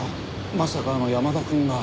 まさかあの山田くんが。